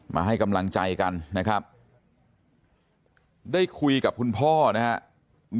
มาให้กำลังใจกันนะครับได้คุยกับคุณพ่อนะครับ